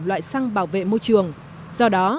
loại xăng bảo vệ môi trường do đó